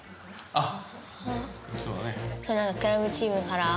あっ！